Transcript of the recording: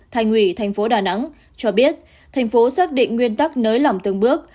thành ủy tp đà nẵng cho biết thành phố xác định nguyên tắc nới lỏng từng bước